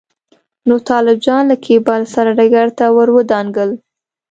نو طالب جان له کېبل سره ډګر ته راودانګل.